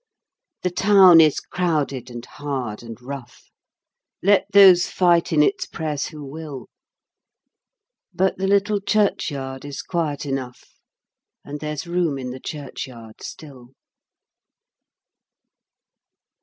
The town is crowded and hard and rough ; Let those fight in its press who will — But the little churchyard is quiet enough, And there's room in the churchyard still.